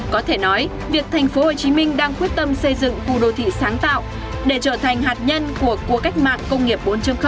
có thể nói việc thành phố hồ chí minh đang quyết tâm xây dựng khu đô thị sáng tạo để trở thành hạt nhân của cuộc cách mạng công nghiệp bốn